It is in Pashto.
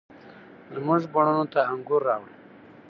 زموږ بڼوڼو ته انګور، راوړه،